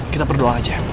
kita berdoa aja